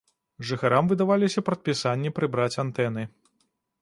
Жыхарам выдаваліся прадпісанні прыбраць антэны.